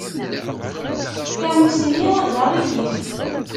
Tamusni d aɣilif.